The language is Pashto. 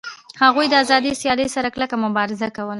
هغوی د آزادې سیالۍ سره کلکه مبارزه کوله